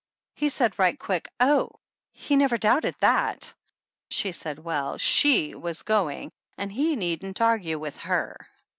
He said right quick, oh, he never doubted that! She said, well, she was going and he needn't argue with her.